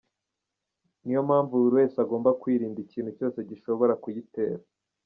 Ni yo mpamvu buri wese agomba kwirinda ikintu cyose gishobora kuyitera."